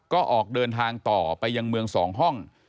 ก็ออกเดินทางต่อไปยังเมืองสองห้อง